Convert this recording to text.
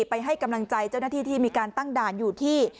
ให้กำลังใจเจ้าหน้าที่ที่มีการตั้งด่านอยู่ที่